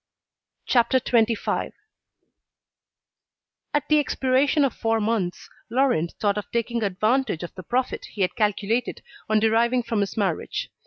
CHAPTER XXV At the expiration of four months, Laurent thought of taking advantage of the profit he had calculated on deriving from his marriage.